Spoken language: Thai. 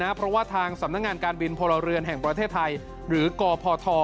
เพราะว่าทางสำนักงานการบินพลเรือนแห่งประเทศไทยหรือกพท